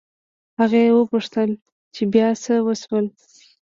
هغې وپوښتل چې بيا څه وشول